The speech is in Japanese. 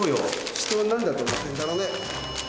人をなんだと思ってんだろね。